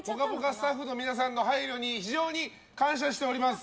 スタッフの皆さんの配慮に非常に感謝しております。